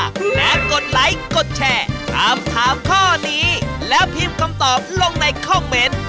และกดไลค์กดแชร์ถามถามข้อนี้แล้วพิมพ์คำตอบลงในคอมเมนต์